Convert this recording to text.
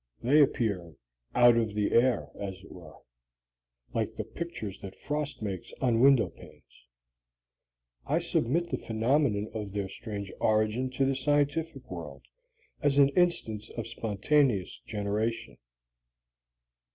They appear out of the air, as it were, like the pictures that frost makes on window panes. I submit the phenomenon of their strange origin to the scientific world as an instance of spontaneous generation.